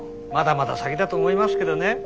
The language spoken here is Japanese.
まだまだ先だと思いますけどね。